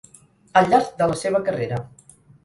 Al llarg de la seva carrera.